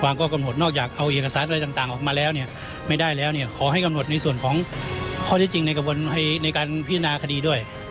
นอกจากเอาอย่างกฎศาสตร์ออกมาแล้วขอให้กำหนดส่วนข้อจริงในการพิจารณาคดีด้วย